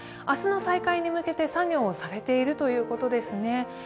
明日の再開に向けて作業をされているということですね。